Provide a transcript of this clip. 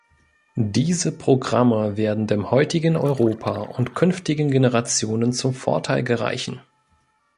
Diese Programme werden dem heutigen Europa und künftigen Generationen zum Vorteil gereichen.